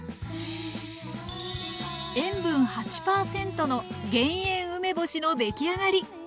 塩分８％の減塩梅干しのできあがり！